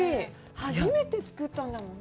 初めて作ったんだもんね。